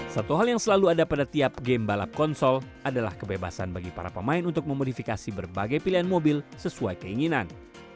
satu hal yang selalu ada pada tiap game balap konsol adalah kebebasan bagi para pemain untuk memodifikasi berbagai pilihan mobil sesuai keinginan